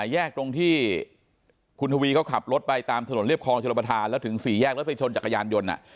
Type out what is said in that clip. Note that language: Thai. แยกตรงที่คุณทวีเขาขับรถไปตามถนนเรียบคลองชลประธานแล้วถึงสี่แยกแล้วไปชนจักรยานยนต์